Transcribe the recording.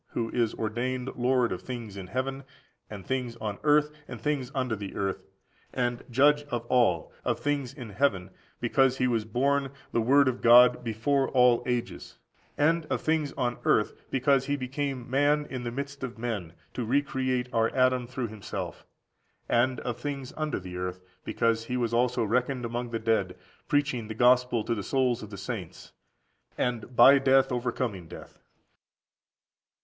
who is ordained Lord of things in heaven, and things on earth, and things under the earth, and Judge of all:14581458 Phil. ii. 10. of things in heaven, because He was born, the Word of God, before all (ages); and of things on earth, because He became man in the midst of men, to re create our Adam through Himself; and of things under the earth, because He was also reckoned among the dead, preaching the Gospel to the souls of the saints,14591459 1 Pet. iii. 19. (and) by death overcoming death.